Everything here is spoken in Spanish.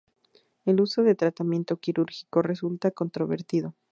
El uso de tratamiento quirúrgico resulta controvertido.